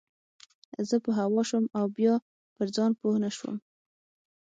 زه په هوا سوم او بيا پر ځان پوه نه سوم.